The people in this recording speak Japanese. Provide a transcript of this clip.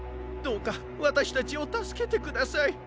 どうかわたしたちをたすけてください。